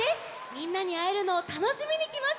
みんなにあえるのをたのしみにきました。